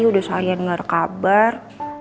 udah seharian gak ada kabar